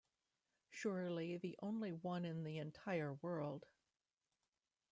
Surely the only one in the entire world.